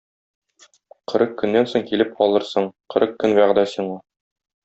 Кырык көннән соң килеп алырсың, кырык көн вәгъдә сиңа.